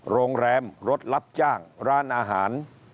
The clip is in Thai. โรงแรมรถรับจ้างร้านอาหาร